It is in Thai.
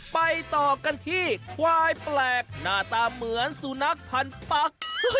ไปต่อกันที่ควายแปลกหน้าตาเหมือนสุนัขพันปัก